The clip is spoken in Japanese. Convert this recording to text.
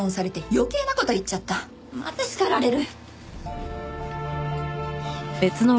また叱られる！